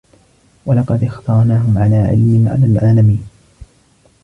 وَلَقَدِ اختَرناهُم عَلى عِلمٍ عَلَى العالَمينَ